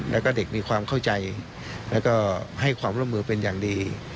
แล้วก็เด็กมีความเข้าใจแล้วก็ให้ความร่วมมือเป็นอย่างดี